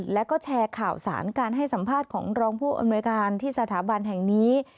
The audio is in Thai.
แล้วก็แชร์ข่าวสารการให้สัมภาษณ์ของรองผู้อำนวยการที่สถาบันแห่งนี้